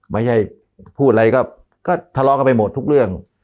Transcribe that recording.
ไม่ใช่พูดอะไรก็ทะเลาะกันไปหมดทุกเรื่อง